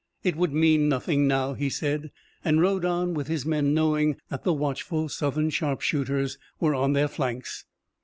"It would mean nothing now," he said, and rode on with his men, knowing that the watchful Southern sharpshooters were on their flanks.